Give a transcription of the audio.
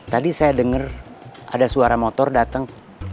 tadi saya denger ada suara motor dateng